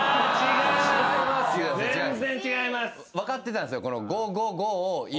分かってたんですよ。